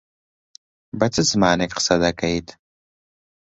بە چ زمانێک قسە دەکەیت؟